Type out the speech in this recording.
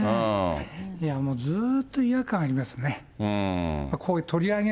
もうずっと違和感ありますね。